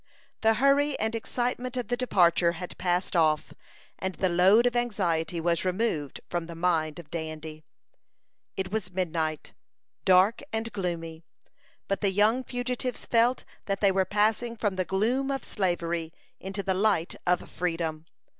The hurry and excitement of the departure had passed off, and the load of anxiety was removed from the mind of Dandy. It was midnight, dark and gloomy; but the young fugitives felt that they were passing from the gloom of slavery into the light of freedom.